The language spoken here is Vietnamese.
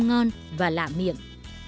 ngon và lạ miệng